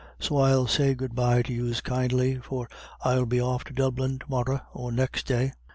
So I'll say good bye to yous kindly, for I'll be off now to Dublin to morra or next day."